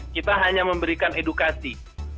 kita hanya memberikan edukasi